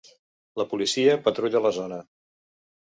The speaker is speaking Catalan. La policia patrulla la zona.